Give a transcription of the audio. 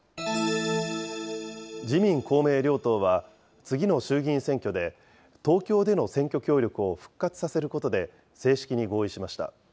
自民、公明両党は、次の衆議院選挙で、東京での選挙協力を復活させることで正式に合意しました。